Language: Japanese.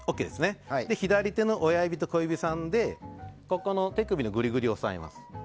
左手の親指と小指さんで手首のぐりぐりを押さえます。